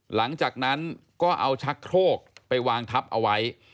หลังจากนั้นก็เอาชักโครกไปวางทับเอาไว้